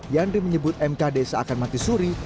yandri menyebut mkd seakan mati suri